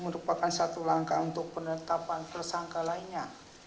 merupakan satu langkah untuk penetapan tersangka lainnya